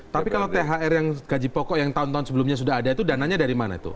tapi kalau thr yang gaji pokok yang tahun tahun sebelumnya sudah ada itu dananya dari mana itu